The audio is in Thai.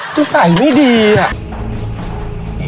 แต่ใส่ง่ายดีอ่ะ